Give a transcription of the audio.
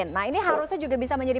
nah ini harusnya juga bisa menjadi